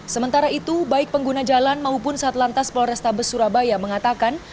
sementara itu baik pengguna jalan maupun satlantas polrestabes surabaya mengatakan